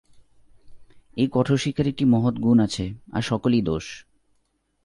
এই কঠোর শিক্ষার একটি মহৎ গুণ আছে, আর সকলই দোষ।